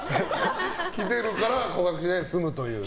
来てるから告白しないで済むというね。